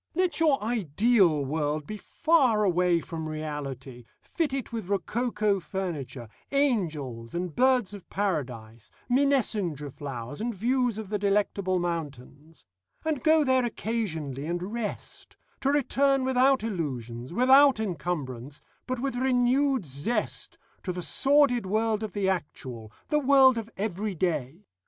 Let your ideal world be far away from reality, fit it with rococo furniture, angels and birds of paradise, Minnesinger flowers and views of the Delectable Mountains: and go there occasionally and rest to return without illusions, without encumbrance, but with renewed zest, to the sordid world of the actual, the world of every day.